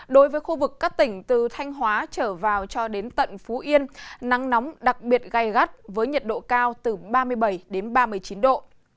đối với khu vực các tỉnh từ thanh hóa trở vào cho đến tận phú yên nắng nóng đặc biệt gai gắt với nhiệt độ cao từ ba mươi bảy đến ba mươi chín độ